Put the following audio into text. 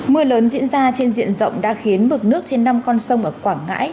mưa lớn diễn ra trên diện rộng đã khiến mực nước trên năm con sông ở quảng ngãi